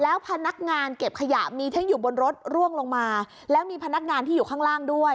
แล้วพนักงานเก็บขยะมีทั้งอยู่บนรถร่วงลงมาแล้วมีพนักงานที่อยู่ข้างล่างด้วย